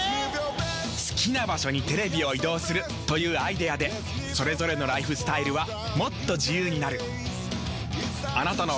好きな場所にテレビを移動するというアイデアでそれぞれのライフスタイルはもっと自由になる。